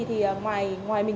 thì ngoài mình